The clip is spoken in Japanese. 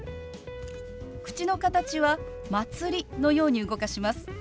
口の形は「まつり」のように動かします。